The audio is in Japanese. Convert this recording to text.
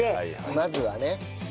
まずはね。